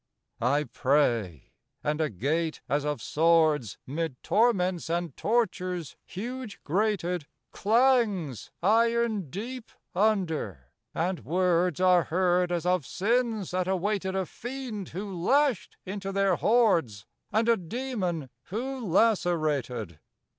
I pray and a gate, as of swords, 'Mid torments and tortures huge grated, Clangs iron deep under; and words Are heard as of sins that awaited A fiend who lashed into their hordes, And a demon who lacerated.